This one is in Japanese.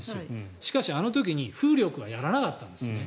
しかし、あの時に風力はやらなかったんですね。